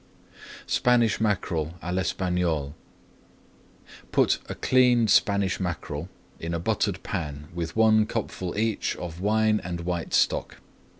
SPANISH MACKEREL À L'ESPAGNOLE Put a cleaned Spanish mackerel in a buttered pan with one cupful each of wine and white stock.